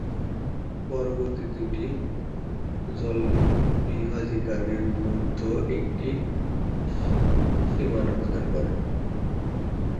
পর্বতটি দুটি জলবিভাজিকার মধ্যে একটি সীমানা প্রদান করে।